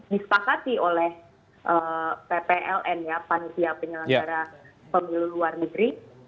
terima kasih oleh ppln ya panitia penyelenggara pemilih luar negeri